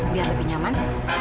biar lebih nyaman